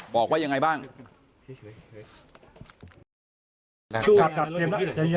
บอกว่ายังไงบ้าง